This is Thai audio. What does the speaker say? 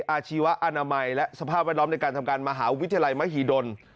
อาชีวะอนามัยและสภาพแวดล้อมในการทำการมหาวิทยาลัยมหิดล